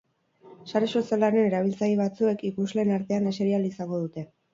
Sare sozialaren erabiltzaile batzuek ikusleen artean eseri ahal izango dute.